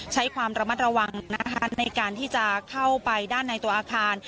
ใช้ความระมัดระวังนะคะในการที่จะเข้าไปด้านในตัวอาคาร